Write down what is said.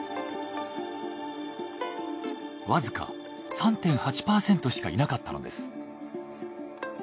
わずか３．８％しかいなかったのです。